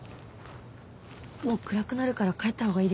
もう暗くなるから帰ったほうがいいですよ。